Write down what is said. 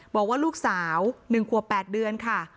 บอกว่าลูกสาว๑ขวบ๘เดือนค่ะ